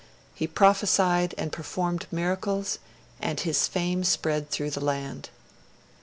He prophesied and performed miracles, and his fame spread through the land.